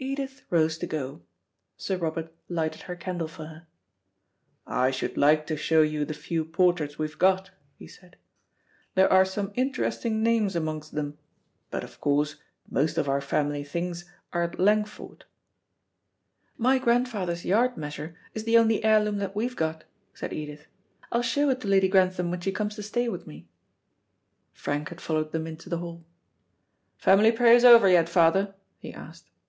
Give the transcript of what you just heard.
Edith rose to go. Sir Robert lighted her candle for her. "I should like to show you the few portraits we've got," he said. "There are some interesting names amongst them; but, of course, most of our family things are at Langfort." "My grandfather's yard measure is the only heirloom that we've got," said Edith. "I'll show it to Lady Grantham when she comes to stay with me." Frank had followed them into the hall. "Family prayers over yet, father?" he asked.